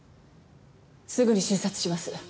すぐに診察します。